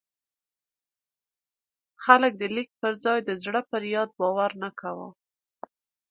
خلک د لیک پر ځای د زړه پر یاد باور نه کاوه.